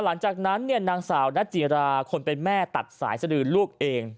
หลังจากนั้นเนี่ยนางสาวนัจจิราคนเป็นแม่ตัดสายสดือลูกเอง